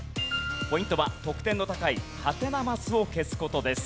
ポイントは得点の高いハテナマスを消す事です。